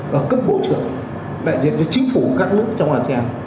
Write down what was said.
và cấp bộ trưởng đại diện cho chính phủ các nước trong asean